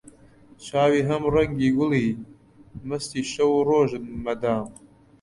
چاوی هەم ڕەنگی گوڵی، مەستی شەو و ڕۆژن مەدام